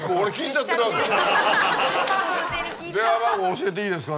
「電話番号教えていいですか？」。